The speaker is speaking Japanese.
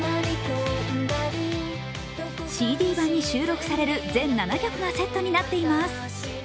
ＣＤ版に収録される全７曲がセットになっています。